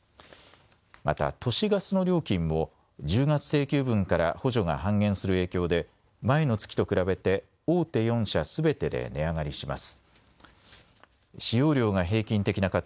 また都市ガスの料金も１０月請求分から補助が半減する影響で前の月と比べて大手４社すべてで値上がりします。